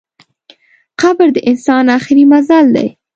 قبر د انسان اخري منزل دئ.